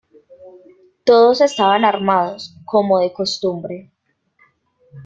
Todos estaban armados, como de costumbre.